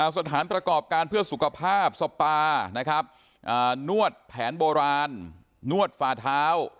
สัมภัณฑ์ประกอบการเพื่อสุขภาพซอปปาร์นวดแผนโบราณนวดฝ่าเท้า